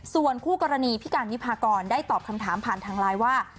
ส่วนคู่กรณีพี่การวิพากรได้ตอบคำถามผ่านทางไลน์ว่า